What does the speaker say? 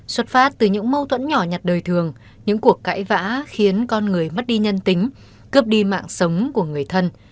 xuất phát từ những mâu thuẫn nhỏ nhặt đời thường những cuộc cãi vã khiến con người mất đi nhân tính cướp đi mạng sống của người thân